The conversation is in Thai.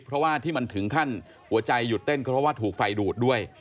เพราะว่าที่มันถึงขั้นหัวใจหยุดเต้นก็เพราะว่าถูกไฟดูดด้วย